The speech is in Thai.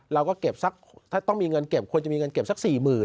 เราก็เก็บสักถ้าต้องมีเงินเก็บควรจะมีเงินเก็บสัก๔๐๐๐